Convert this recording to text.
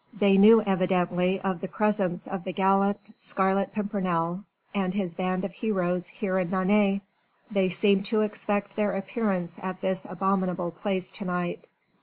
They knew evidently of the presence of the gallant Scarlet Pimpernel and his band of heroes here in Nantes they seemed to expect their appearance at this abominable place to night.